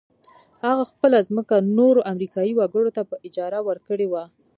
هغه خپله ځمکه نورو امريکايي وګړو ته په اجاره ورکړې وه.